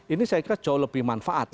ini saya kira jauh lebih manfaat